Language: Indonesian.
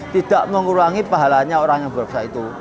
tidak mengurangi pahalanya orang yang berpisah itu